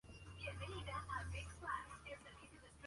Esta está siempre torcida a un lado.